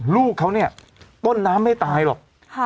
ลูกเขาต้นน้ำไม่ตายหรอก